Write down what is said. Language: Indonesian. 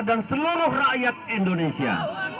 dan seluruh rakyat indonesia